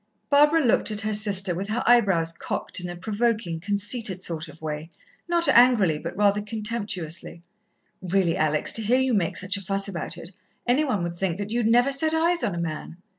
Barbara looked at her sister, with her eyebrows cocked in a provoking, conceited sort of way, not angrily, but rather contemptuously. "Really, Alex, to hear you make such a fuss about it, any one would think that you'd never set eyes on a man.